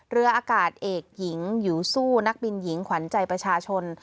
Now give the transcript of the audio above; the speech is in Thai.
เรืออากาศเอกหญิงหิวสู้นักบินหญิงขวัญใจประชาชน